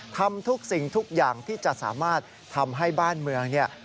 ทำทุกสิ่งทุกอย่างที่จะสามารถทำให้บ้านเมืองเนี่ย